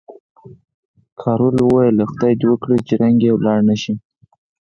کراول وویل، خدای دې وکړي چې رنګ یې ولاړ نه شي.